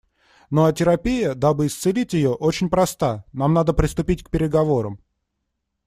Ну а терапия, дабы исцелить ее, очень проста: нам надо приступить к переговорам.